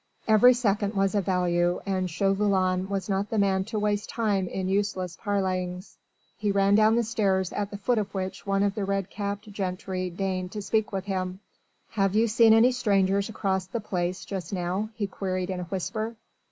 Every second was of value, and Chauvelin was not the man to waste time in useless parleyings. He ran down the stairs at the foot of which one of the red capped gentry deigned to speak with him. "Have you seen any strangers across the Place just now?" he queried in a whisper.